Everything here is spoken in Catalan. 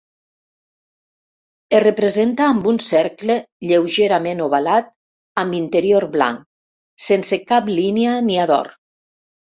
Es representa amb un cercle lleugerament ovalat amb interior blanc, sense cap línia ni adorn.